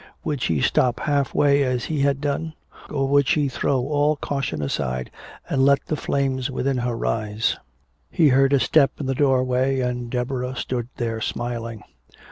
Would she stop halfway as he had done, or would she throw all caution aside and let the flames within her rise? He heard a step in the doorway, and Deborah stood there smiling.